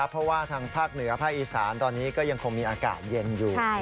เพราะว่าทางภาคเหนือภาคอีสานตอนนี้ก็ยังคงมีอากาศเย็นอยู่